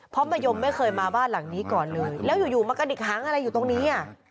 เพราะมะยมไม่เคยมาบ้านหลังนี้ก่อนเลยแล้วอยู่มากระดิกหางอะไรอยู่ตรงนี้อ่ะ